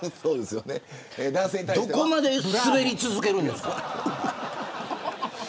どこまでスベり続けるんですか。